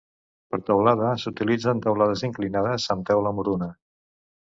Per teulada, s'utilitzen teulades inclinades amb teula moruna.